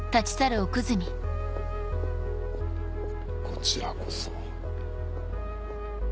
こちらこそ。